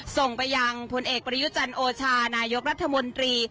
ส่งไปยังพลเอกประยุจันโอชานายกรัฐมนตรี